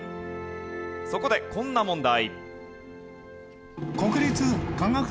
そこでこんな問題。